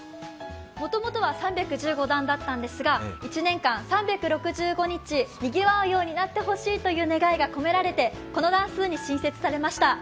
もともとは３１５段だったんですが、１年間３６５日にぎわうようになってほしいという願いからこの段数に新設されました。